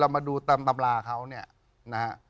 มาดูตามตำราเขาเนี่ยนะฮะ